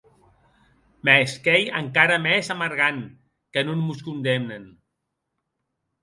Mès qu’ei encara mès amargant que non mos condemnen.